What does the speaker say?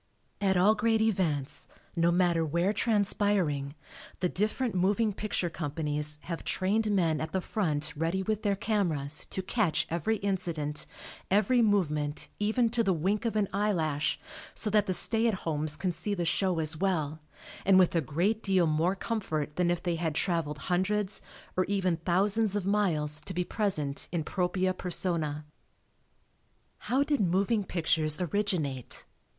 At all great events, no matter where transpiring, the different moving picture companies have trained men at the front ready with their cameras to "catch" every incident, every movement even to the wink of an eyelash, so that the "stay at homes" can see the show as well, and with a great deal more comfort than if they had traveled hundreds, or even thousands, of miles to be present in propria persona. How did moving pictures originate?